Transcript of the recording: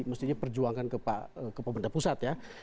mestinya perjuangan ke pembentang pusat ya